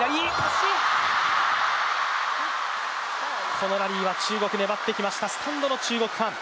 このラリーは中国粘ってきました、中国のファン。